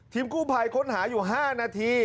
กู้ภัยค้นหาอยู่๕นาที